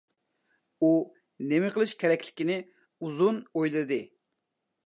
ئۇ نېمە قىلىش كېرەكلىكىنى ئۇزۇن ئويلىدى.